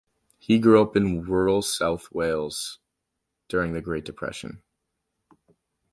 He grew up in rural New South Wales during the Great Depression.